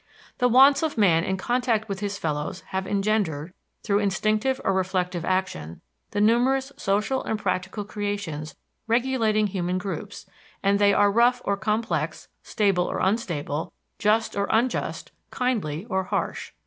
The wants of man in contact with his fellows have engendered, through instinctive or reflective action, the numerous social and practical creations regulating human groups, and they are rough or complex, stable or unstable, just or unjust, kindly or harsh.